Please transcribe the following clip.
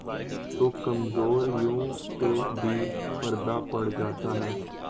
تو کمزوریوں پہ بھی پردہ پڑ جاتاہے۔